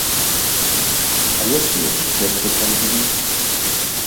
А якія цукеркі там былі?